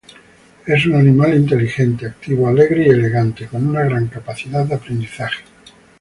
Es un animal inteligente, activo, alegre y elegante, con una gran capacidad de aprendizaje.